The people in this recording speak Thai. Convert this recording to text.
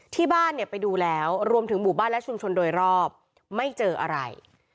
ที่บ้านเนี่ยไปดูแล้วรวมถึงหมู่บ้านและชุมชนโดยรอบไม่เจออะไร